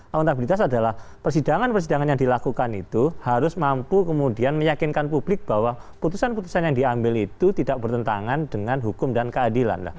akuntabilitas adalah persidangan persidangan yang dilakukan itu harus mampu kemudian meyakinkan publik bahwa putusan putusan yang diambil itu tidak bertentangan dengan hukum dan keadilan